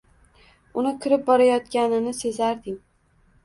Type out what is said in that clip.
Uni kirib borayotganini sezarding.